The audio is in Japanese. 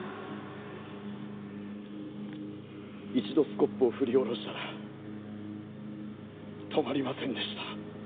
一度スコップを振り下ろしたら止まりませんでした。